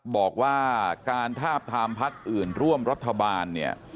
บอกว่าการทาบทามพักอื่นร่วมรัฐบาลเนี่ย